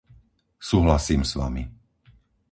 Súhlasím s vami.